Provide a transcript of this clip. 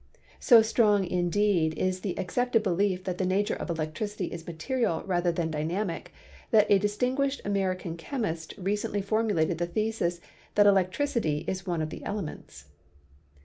So strong indeed is the accepted belief that the nature of electricity is material rather than dynamic that a distinguished American chemist recently formulated the thesis that electricity is one of the elements.